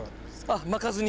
あっ巻かずに？